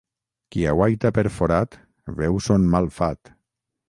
Qui aguaita per forat, veu son mal fat.